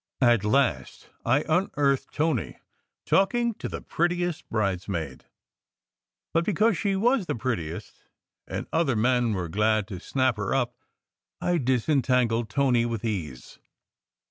At last I unearthed Tony, talking to the prettiest brides maid. But because she was the prettiest, and other men were glad to snap her up, I disentangled Tony with ease.